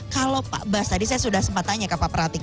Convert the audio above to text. kalau pak bas tadi saya sudah sempat tanya ke pak pratik